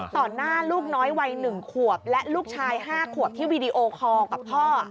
หน้าลูกน้อยวัย๑ขวบและลูกชาย๕ขวบที่วีดีโอคอลกับพ่อ